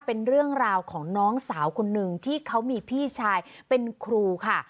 เป็นเรื่องราวของน้องสาวคนหนึ่งที่เขามีพี่ชายเป็นครูค่ะ